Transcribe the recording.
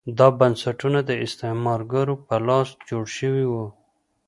دا بنسټونه د استعمارګرو په لاس جوړ شوي وو.